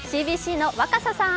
ＣＢＣの若狭さん。